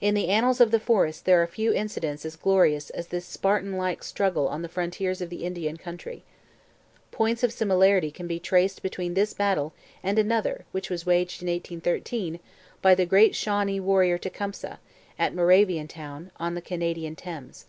In the annals of the forest there are few incidents as glorious as this Spartan like struggle on the frontiers of the Indian country. Points of similarity can be traced between this battle and another which was waged, in 1813, by the great Shawnee warrior Tecumseh, at Moravian Town, on the Canadian Thames.